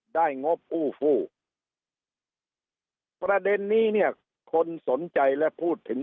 งบอู้ฟู้ประเด็นนี้เนี่ยคนสนใจและพูดถึง